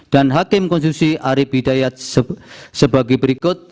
dan hakim konstitusi ari bidayat sebagai berikut